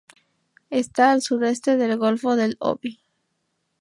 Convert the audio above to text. Está al sudoeste del golfo del Obi.